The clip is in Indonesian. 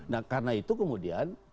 nah karena itu kemudian